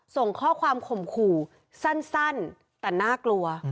ส่งข้อความข่มขู่สั้นแต่น่ากลัว